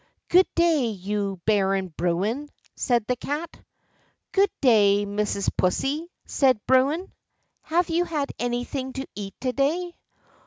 "Good day, you Baron Bruin," said the Cat. "Good day, Mrs. Pussy," said Bruin; "have you had anything to eat to day?"